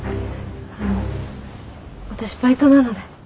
あの私バイトなので。